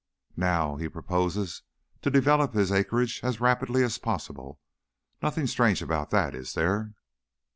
"Now, he proposes to develop his acreage as rapidly as possible. Nothing strange about that, is there?"